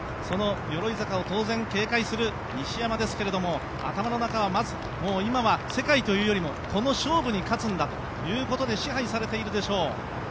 その鎧坂を当然警戒する西山ですけれども頭の中はまず今は世界というよりもこの勝負で勝つんだということで支配されているでしょう。